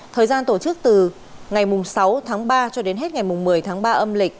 thời gian tổ chức từ ngày sáu tháng ba cho đến hết ngày một mươi tháng ba âm lịch